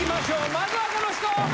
まずはこの人。